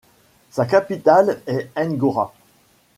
Sa capitale est Ngora.